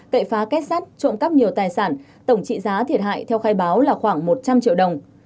cậy phá kết sắt trộm cắp nhiều tài sản tổng trị giá thiệt hại theo khai báo là khoảng một trăm linh triệu đồng